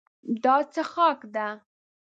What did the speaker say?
دا څښاک ده.